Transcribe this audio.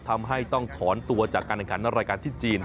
ทำให้ต้องถอนตัวจากการแข่งขันรายการที่จีน